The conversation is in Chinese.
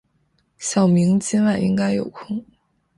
小明今晚应该有空。